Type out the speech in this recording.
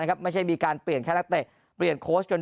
นะครับไม่ใช่มีการเปลี่ยนแครัคเตะเปลี่ยนโครชกัน